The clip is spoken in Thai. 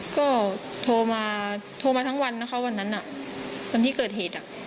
ก็โทรมาโทรมาทั้งวันนะคะวันนั้นวันที่เกิดเหตุ